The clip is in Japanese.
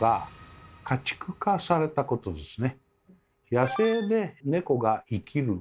野生で猫が生きる場合